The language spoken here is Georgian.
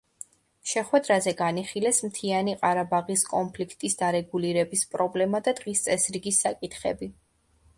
შეხვედრაზე განიხილეს მთიანი ყარაბაღის კონფლიქტის დარეგულირების პრობლემა და დღის წესრიგის საკითხები.